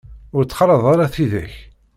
Ur ttxalaḍ ara tidak.